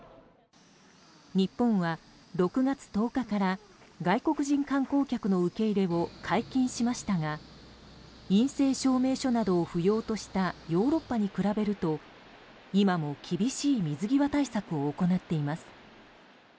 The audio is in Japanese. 日本は６月１０日から外国人観光客の受け入れを解禁しましたが陰性証明書などを不要としたヨーロッパに比べると今も厳しい水際対策を行っています。